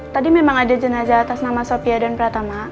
tadi memang ada jenazah atas nama sofia dan pratama